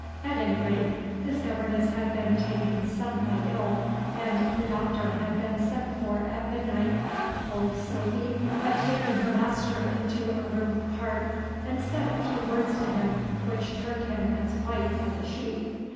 At any rate, this governess had been taken suddenly ill, and the Doctor had been sent for at midnight. Old Sophy had taken her master into a room apart, and said a few words to him which turned him as white as a sheet.